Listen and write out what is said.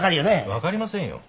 分かりませんよ。